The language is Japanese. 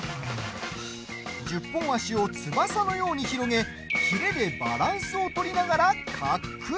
１０本足を翼のように広げヒレでバランスを取りながら滑空。